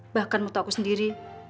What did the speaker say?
bahkan waktu aku sendiri